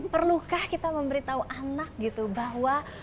perlukah kita memberitahu anak gitu bahwa